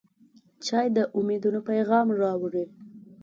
چای د امیدونو پیغام راوړي.